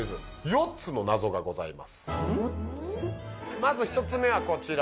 まず１つ目はこちら。